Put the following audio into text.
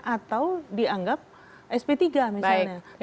atau dianggap sp tiga misalnya